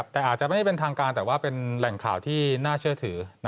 แต่อาจจะไม่ได้เป็นทางการแต่ว่าเป็นแหล่งข่าวที่น่าเชื่อถือ